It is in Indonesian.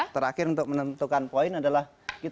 terakhir untuk menentukan poin adalah